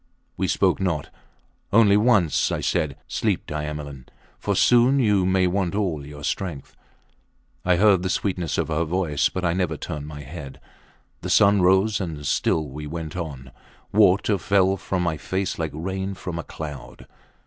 We spoke not. Only once I said, Sleep, Diamelen, for soon you may want all your strength. I heard the sweetness of her voice, but I never turned my head. The sun rose and still we went on. Water fell from my face like rain from a cloud.